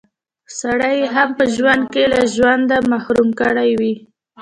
سړی يې هم په ژوند کښې له ژونده محروم کړی وي